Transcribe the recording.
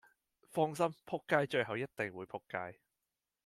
放心！仆街最後一定會仆街